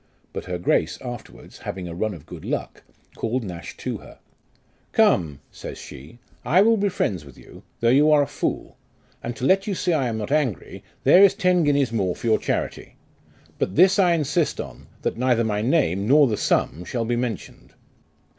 But her grace afterwards having a run of good luck, called Nash to her. " Come," says she, " I will be friends with you, though you are a fool ; and to let you see I am not angry, there is ten guineas more for your charity. But this I insist on that neither my name nor the sum shall be mentioned."